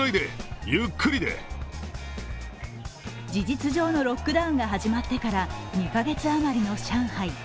事実上のロックダウンが始まってから２カ月余りの上海。